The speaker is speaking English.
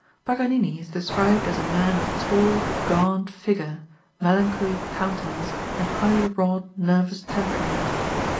Paganini is described as a man of tall, gaunt figure, melancholy countenance and highly wrought nervous temperament.